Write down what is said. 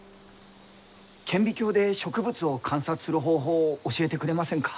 顕微鏡で植物を観察する方法を教えてくれませんか？